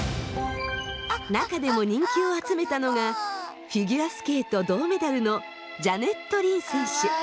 中でも人気を集めたのがフィギュアスケート銅メダルのジャネット・リン選手。